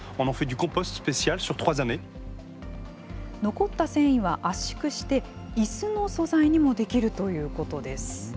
残った繊維は圧縮して、いすの素材にもできるということです。